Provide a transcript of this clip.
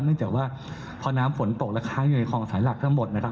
เนื่องจากว่าพอน้ำฝนตกและค้างอยู่ในคลองสายหลักทั้งหมดนะครับ